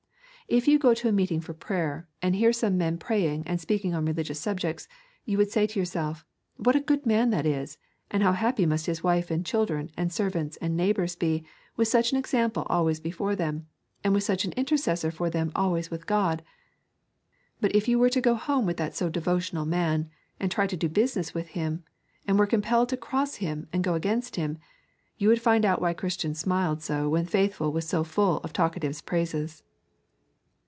If you go to a meeting for prayer, and hear some men praying and speaking on religious subjects, you would say to yourself, What a good man that is, and how happy must his wife and children and servants and neighbours be with such an example always before them, and with such an intercessor for them always with God! But if you were to go home with that so devotional man, and try to do business with him, and were compelled to cross him and go against him, you would find out why Christian smiled so when Faithful was so full of Talkative's praises.